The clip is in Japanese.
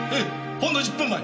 ほんの１０分前。